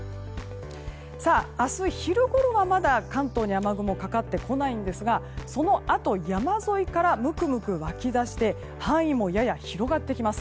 明日昼ごろはまだ関東に雨雲はかかってこないんですがそのあと、山沿いからムクムク湧き出して範囲もやや広がってきます。